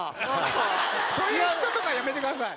そういう嫉妬とかやめてください。